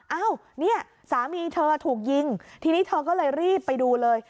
เอ้าเนี่ยสามีเธอถูกยิงทีนี้เธอก็เลยรีบไปดูเลย